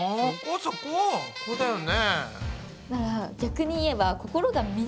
そこだよね！